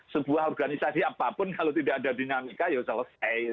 sebuah organisasi apapun kalau tidak ada dinamika ya selesai